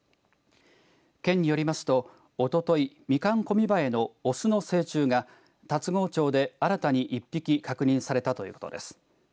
県によりますとおととい、ミカンコミバエの雄の成虫が龍郷町で新たに１匹確認されたということです。